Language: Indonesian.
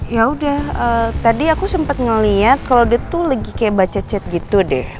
ya udah tadi aku sempat ngeliat kalau dia tuh lagi kayak baca chat gitu deh